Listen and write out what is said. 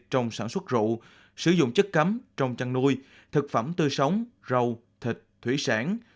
trong sản xuất rượu sử dụng chất cắm trong chăn nuôi thực phẩm tư sống rau thịt thủy sản